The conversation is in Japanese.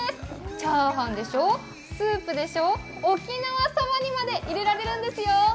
炒飯でしょ、スープでしょ、沖縄そばにまで入れられるんですよ。